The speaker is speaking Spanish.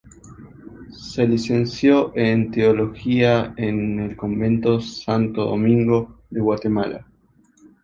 Se licenció en teología en el convento de Santo Domingo de Guatemala.